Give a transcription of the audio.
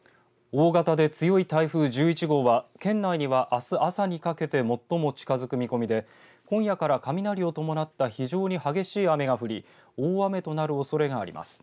大型で強い台風１１号は県内には、あす朝にかけて最も近づく見込みで今夜から雷を伴った非常に激しい雨が降り大雨となるおそれがあります。